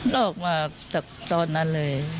ออกมาจากตอนนั้นเลย